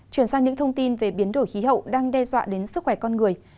chuyển sang những thông tin về biến đổi khí hậu đang đe dọa đến sức khỏe con người